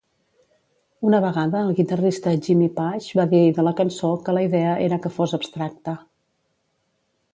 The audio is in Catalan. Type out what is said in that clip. Una vegada el guitarrista Jimmy Page va dir de la cançó que la idea era que fos abstracta.